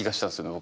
僕。